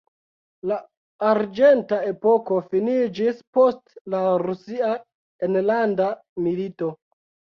La arĝenta epoko finiĝis post la rusia enlanda milito.